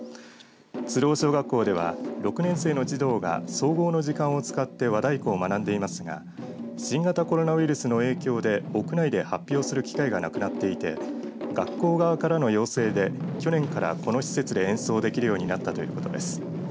鶴尾小学校では６年生の児童が総合の時間を使って和太鼓を学んでいますが新型コロナウイルスの影響で屋内で発表する機会がなくなっていて学校側からの要請で去年からこの施設で演奏できるようになったということです。